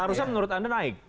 harusnya menurut anda naik